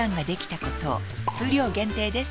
数量限定です